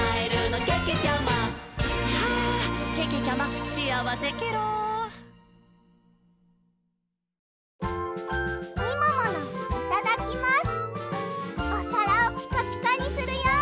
いただきます！